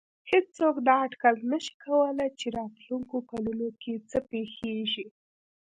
هېڅوک دا اټکل نه شي کولای چې راتلونکو کلونو کې څه پېښېږي.